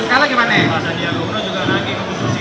masa diaga uno juga lagi ke bu susi